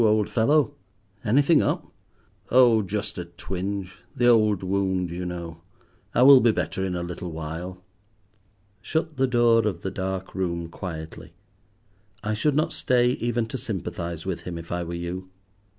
old fellow, anything up?" "Oh, just a twinge, the old wound, you know. I will be better in a little while." Shut the door of the dark room quietly. I should not stay even to sympathize with him if I were you.